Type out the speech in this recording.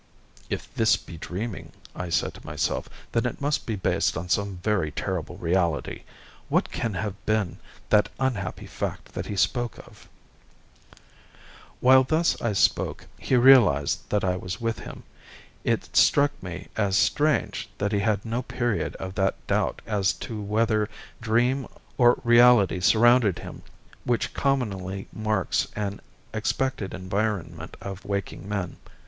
"If this be dreaming," said I to myself, "then it must be based on some very terrible reality. What can have been that unhappy fact that he spoke of?" While I thus spoke, he realised that I was with him. It struck me as strange that he had no period of that doubt as to whether dream or reality surrounded him which commonly marks an expected environment of waking men.